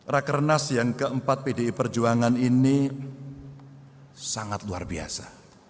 rakernas yang keempat pdi perjuangan ini sangat luar biasa